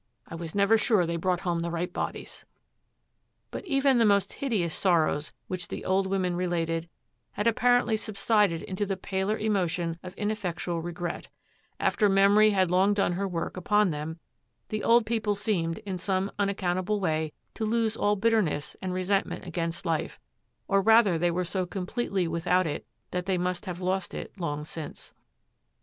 I was never sure they brought home the right bodies.' But even the most hideous sorrows which the old women related had apparently subsided into the paler emotion of ineffectual regret, after Memory had long done her work upon them; the old people seemed, in some unaccountable way, to lose all bitterness and resentment against life, or rather they were so completely without it that they must have lost it long since.